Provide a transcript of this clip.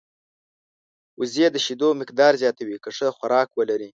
وزې د شیدو مقدار زیاتوي که ښه خوراک ولري